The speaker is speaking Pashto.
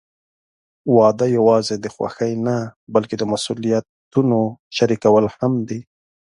واده یوازې د خوښۍ نه، بلکې د مسوولیتونو شریکول هم دي.